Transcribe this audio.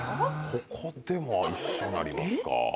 ここでも一緒なりますか。